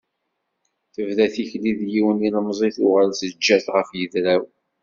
Tebda tikli d yiwen n yilemẓi tuɣal teǧǧa-t ɣef yidra-w.